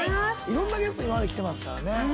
色んなゲスト今まで来てますからね。